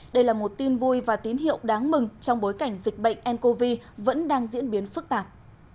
đây là một tin vui và tín hiệu đáng mừng trong bối cảnh dịch bệnh ncov vẫn đang diễn biến phức tạp